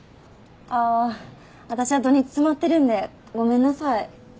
ああー私は土日詰まってるんでごめんなさい